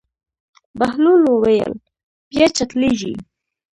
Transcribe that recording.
بهلول وویل: بیا چټلېږي.